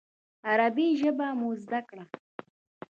عربي ژبه مو زده کړه.